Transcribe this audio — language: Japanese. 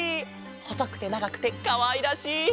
ほそくてながくてかわいらしい！